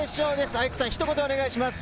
アイクさん、ひと言お願いします。